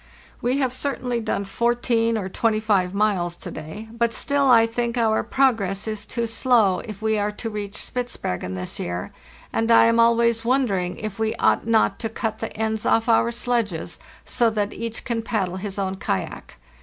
"We have certainly done 14 or 25 miles to day; but still I think our progress is too slow if we are to reach Spitzbergen this year, and [ am always wondering if we ought not to cut the ends off our sledges, so that each can paddle his own kayak.